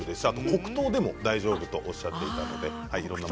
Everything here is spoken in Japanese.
黒糖でも大丈夫とおっしゃっていました。